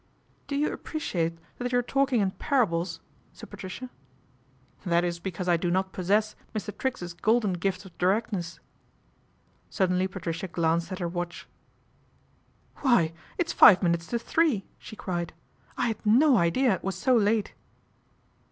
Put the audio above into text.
" Do you appreciate that you are talking in parables ?" said Patricia. " That is because I do not possess Mr. Triggs's golden gift of directness." Suddenly Patricia glanced at her watch. " Why, it's five minutes to three !" she cried. " I had no idea it was so late."